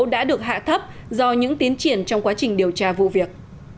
đã được hạ thấp do những tiến triển trong quá trình điều tra vụ việc